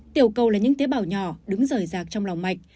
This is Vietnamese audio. tiểu cầu là những tế bào nhỏ đứng rời rạc trong lòng mạch